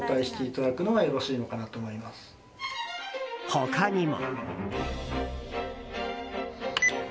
他にも。